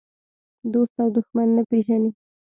دوست او دښمن نه پېژني.